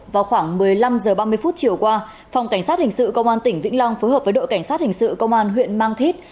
vào khoảng một mươi năm h ba mươi chiều qua phòng cảnh sát hình sự công an tỉnh vĩnh long phối hợp với đội cảnh sát hình sự công an huyện mang thít